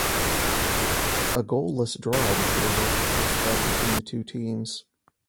A goalless draw was the result of the first leg between the two teams.